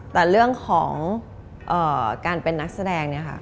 แต่เรื่องของการเป็นนักแสดงเนี่ยค่ะ